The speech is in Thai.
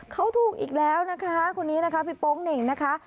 เขาถูกอีกแล้วพี่โป๊งเหน่งนะคะ